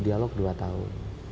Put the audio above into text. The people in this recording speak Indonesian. dialog dua tahun